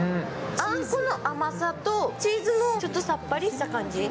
あんこの甘さとチーズのさっぱりした感じ。